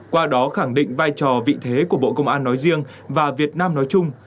qua đó khẳng định vai trò vị thế của bộ công an nói riêng và việt nam nói chung